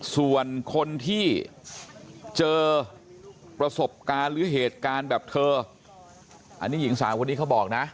ส่วนคนที่เจอประสบการณ์หรือเหตุการณ์แบบเธออันนี้หญิงสาวคนนี้เขาบอกนะ